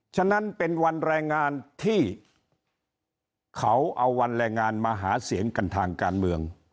ฉะนั้นเป็นวันแรงงานที่เขาเอาวันแรงงานมาหาเสียงกันทางการเมือง